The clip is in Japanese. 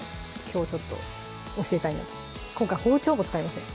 きょうちょっと教えたいなと今回包丁も使いません